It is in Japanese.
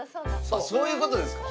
あっそういう事ですか？